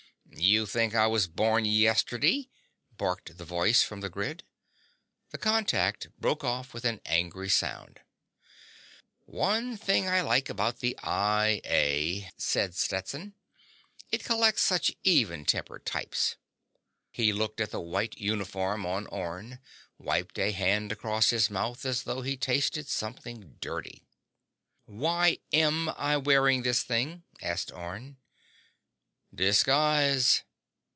"You think I was born yesterday?" barked the voice from the grid. The contact broke off with an angry sound. "One thing I like about the I A," said Stetson. "It collects such even tempered types." He looked at the white uniform on Orne, wiped a hand across his mouth as though he'd tasted something dirty. "Why am I wearing this thing?" asked Orne. "Disguise."